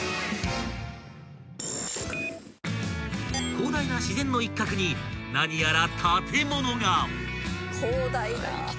［広大な自然の一角に何やら建物が］